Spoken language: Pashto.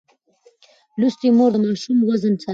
لوستې مور د ماشوم وزن څاري.